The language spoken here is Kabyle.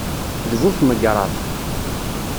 D bu tmegṛaḍ.